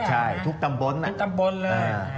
ใช่ทุกตำบลทุกตำบลเลย